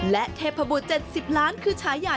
และเทพบุตร๗๐ล้านคือฉายา